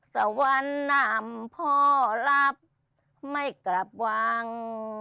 สวรรค์นำพ่อรับไม่กลับวัง